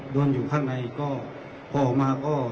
คุณอยู่ในโรงพยาบาลนะ